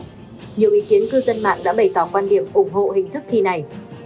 nhiều ý kiến cư dân mạng đã bày tỏ quan điểm ủng hộ hình thức thi này